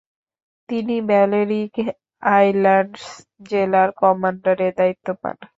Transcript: তিনি Balearic islands জেলায় কমান্ডারের দায়িত্ব পান।